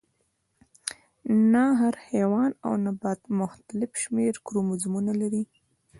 نه هر حیوان او نبات مختلف شمیر کروموزومونه لري